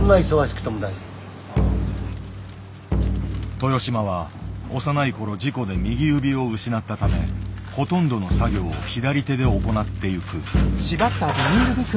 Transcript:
豊島は幼い頃事故で右指を失ったためほとんどの作業を左手で行ってゆく。